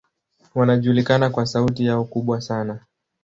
Wanajulikana kwa sauti yao kubwa sana.